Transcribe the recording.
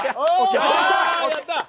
やったー！